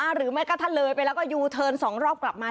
หรือแม้กระทั่งเลยไปแล้วก็ยูเทิร์น๒รอบกลับมา